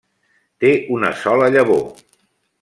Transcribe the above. Té una sola llavor.